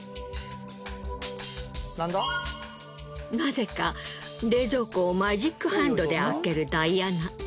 なぜか冷蔵庫をマジックハンドで開けるダイアナ。